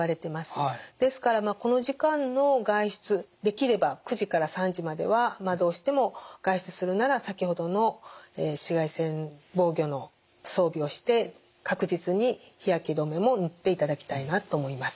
ですからこの時間の外出できれば９時から３時まではどうしても外出するなら先ほどの紫外線防御の装備をして確実に日焼け止めも塗っていただきたいなと思います。